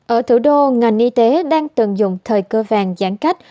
ở thủ đô ngành y tế đang tường dùng thời cơ vàng giãn cách